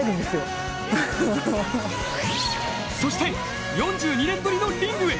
そして４２年ぶりのリングへ。